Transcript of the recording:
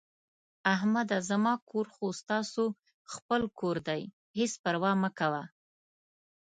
احمده زما کور خو ستاسو خپل کور دی، هېڅ پروا مه کوه...